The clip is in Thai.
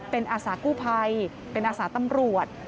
เป็นอาสากู้ภัยเป็นอาสาตำรวจ